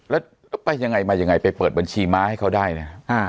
แล้วไปยังไงไปเปิดบัญชีม้าให้เขาได้นะ